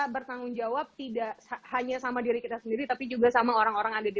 bertanggung jawab tidak hanya sama diri kita sendiri tapi juga sama orang orang yang ada di